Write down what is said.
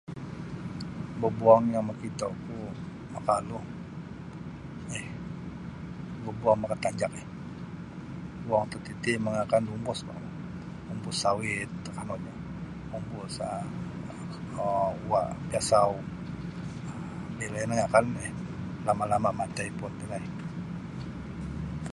Bobuong yang makitoku makalu um bobuong makatanjak um bobuong tatiti mangakan da umbus boh kamu umbus sawit akanunnyo umbus um uwa' piasau bila iyo nangakan um lama'-lama' matai puun tino.